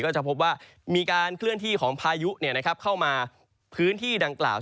จะพบว่ามีการเคลื่อนที่ของพายุเข้ามาพื้นที่ดังกล่าว